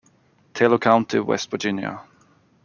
Taylor County, West Virginia.